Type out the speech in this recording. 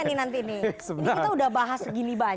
ini kita sudah bahas gini banyak